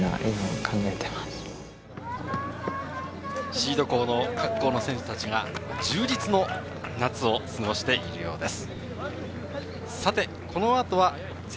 シード校の各校の選手たちが、充実の夏を過ごしているようです。